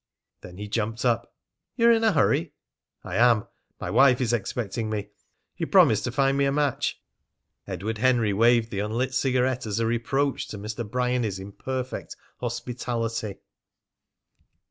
Then he jumped up. "You're in a hurry?" "I am. My wife is expecting me. You promised to find me a match." Edward Henry waved the unlit cigarette as a reproach to Mr. Bryany's imperfect hospitality.